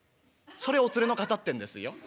「それお連れの方ってんですよ。